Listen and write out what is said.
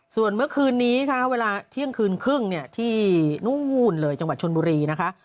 ส่วนเมื่อคืนนี้ค่ะเวลาเที่ยงคืนครึ่งเนี่ยที่นู่นเลยจังหวัดชนบุรีนะคะ